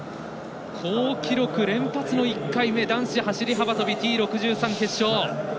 好記録連発の１回目男子走り幅跳びＴ６３決勝。